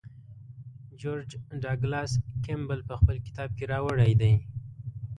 جورج ډاګلاس کیمبل په خپل کتاب کې راوړی دی.